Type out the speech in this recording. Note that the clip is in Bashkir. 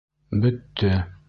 Бөттө!..